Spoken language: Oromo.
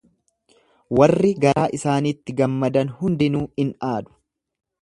Warri garaa isaaniitti gammadan hundinuu in aadu.